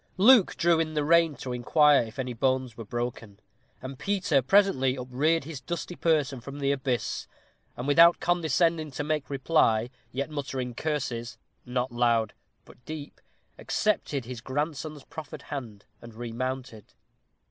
Luke drew in the rein to inquire if any bones were broken; and Peter presently upreared his dusty person from the abyss, and without condescending to make any reply, yet muttering curses, "not loud, but deep," accepted his grandson's proffered hand, and remounted.